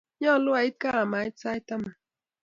Nyalu ait kaa amait sait taman